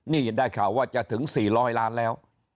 นี่ได้ข่าวว่าจะถึง๔๐๐ล้านแล้ว